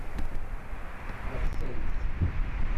Beḥten-t.